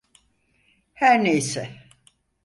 Her ne ise.